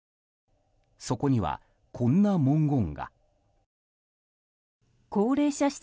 そこには、こんな文言が。